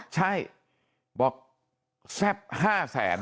ใช่บอกแซ่บ๕แสน